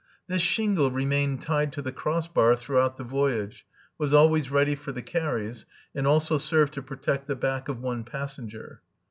This shingle remained tied to the cross bar throughout the voyage, was always ready for the carries, and also served to protect the back of one passenger.